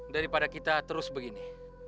daripada kita terus begini